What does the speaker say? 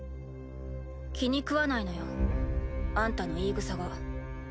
気にくわないのよあんたの言いぐさが。